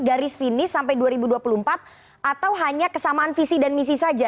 garis finish sampai dua ribu dua puluh empat atau hanya kesamaan visi dan misi saja